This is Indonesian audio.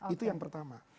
itu yang pertama